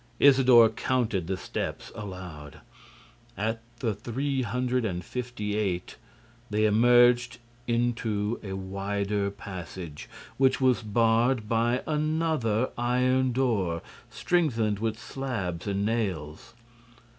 Isidore counted the steps aloud. At the three hundred and fifty eight, they emerged into a wider passage, which was barred by another iron door strengthened with slabs and nails.